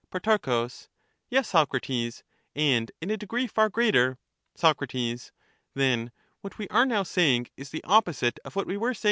Pro. Yes, Socrates, and in a degree far greater. Soc. Then what we are now saying is the opposite of what we were saying before.